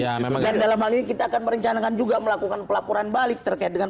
dan dalam hal ini kita akan merencanakan juga melakukan pelaporan balik terkait dengan